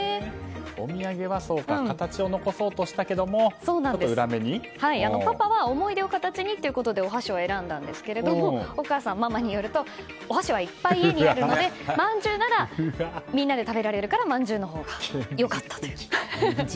お土産は形を残そうとしたけどもパパは思い出を形にということでお箸を選んだんですがママによるとお箸はいっぱいあるのでまんじゅうはみんなで食べられるのでまんじゅうのほうが良かったという。